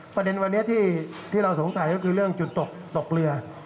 ประเด็นวันนี้ที่เราสงสัยก็คือเรื่องจุดตกตกเรือ